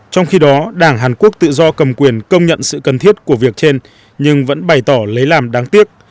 trong khi đó đảng hàn quốc tự do cầm quyền công nhận sự cần thiết của việc trên nhưng vẫn bày tỏ lấy làm đáng tiếc